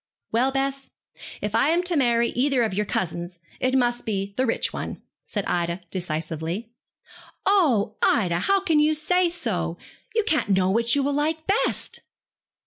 'Well, Bess, if I am to marry either of your cousins, it must be the rich one,' said Ida, decisively. 'Oh, Ida, how can you say so? You can't know which you will like best.'